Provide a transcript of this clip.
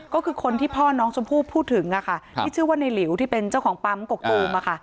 ก็คือคนที่พ่อน้องชมพู่พูดถึงที่ชื่อว่าในหลิวที่เป็นเจ้าของปั๊มกกตูม